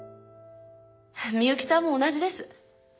美由紀さんも同じです。